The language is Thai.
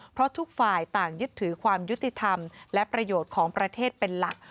เพราะทุกฝ่ายต่างยึดถือความยุติธรรมและประโยชน์ของประเทศเป็นหลัก